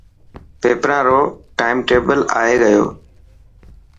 پيپران رو ٽائم ٽيبل آي گيو.